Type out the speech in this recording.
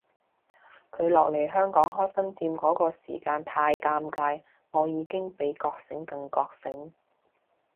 佢落嚟香港開分店嗰個時間太尷尬，我已經比覺醒更覺醒